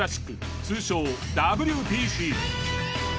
通称ＷＢＣ。